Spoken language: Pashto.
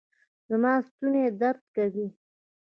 زما ستونی درد کوي